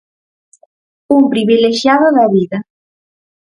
Un privilexiado da vida.